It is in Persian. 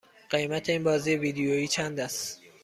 قیمت این بازی ویدیویی چند است؟